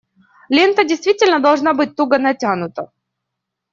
Лента действительно должна быть туго натянута.